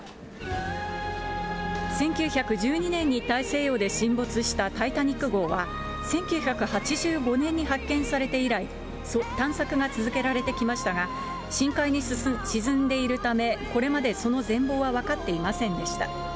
１９１２年に大西洋で沈没したタイタニック号は、１９８５年に発見されて以来、探索が続けられてきましたが、深海に沈んでいるため、これまでその全貌は分かっていませんでした。